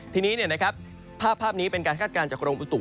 ทีนี้ภาพนี้เป็นการคาดการณ์จากกรมอุตุ